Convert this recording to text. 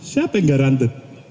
siapa yang garanti